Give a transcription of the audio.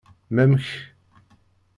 Mamk?